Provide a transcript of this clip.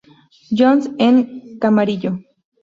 John's en Camarillo.